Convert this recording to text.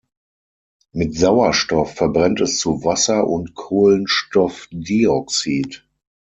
Mit Sauerstoff verbrennt es zu Wasser und Kohlenstoffdioxid.